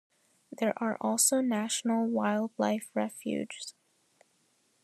There are also National Wildlife Refuges.